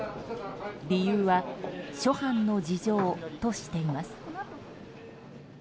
理由は諸般の事情としています。